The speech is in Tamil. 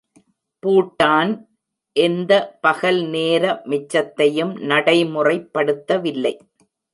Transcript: பூட்டான் எந்த பகல் நேர மிச்சத்தையும் நடைமுறைபடுத்தவில்லை.